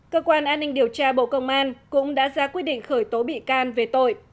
cơ quan an ninh điều tra bộ công an cũng đã ra quyết định khởi tố bị can về tội